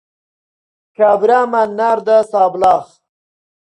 کابرامان ناردە سابڵاغ.